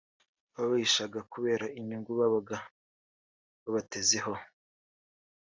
babahishaga kubera inyungu babaga babatezeho